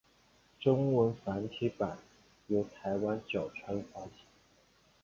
中文繁体版由台湾角川发行。